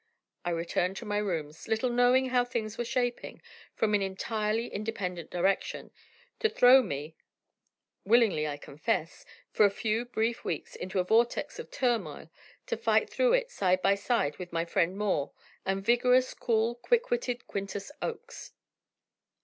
I returned to my rooms, little knowing how things were shaping, from an entirely independent direction, to throw me, willingly I confess, for a few brief weeks into a vortex of turmoil, to fight through it side by side with my friend Moore and vigorous, cool, quick witted Quintus Oakes.